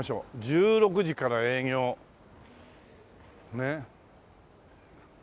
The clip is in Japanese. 「１６時から営業」ねえ。